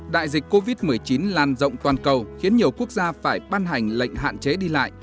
đại dịch covid một mươi chín lan rộng toàn cầu khiến nhiều quốc gia phải ban hành lệnh hạn chế đi lại